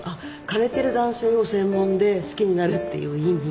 枯れてる男性を専門で好きになるっていう意味。